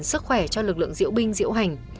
sức khỏe cho lực lượng diễu binh diễu hành